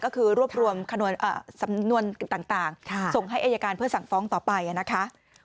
ก็คือรวบรวมสำนวนต่างส่งให้อายการเพื่อสั่งฟ้องต่อไปนะคะ